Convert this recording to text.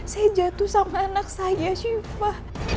saya jatuh sama anak saya syifah